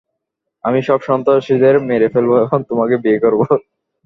আমি সব সন্ত্রাসীদের মেরে ফেলব এবং তোমাকে বিয়ে করব।